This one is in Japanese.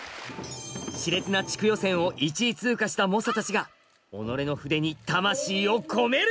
熾烈な地区予選を１位通過した猛者たちが己の筆に魂を込める！